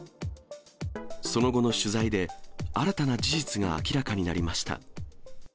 その後の取材で、新たな事実が明らかになりました。